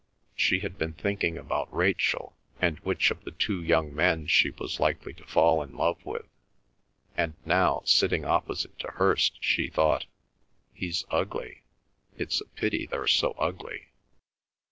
She had been thinking about Rachel and which of the two young men she was likely to fall in love with, and now sitting opposite to Hirst she thought, "He's ugly. It's a pity they're so ugly."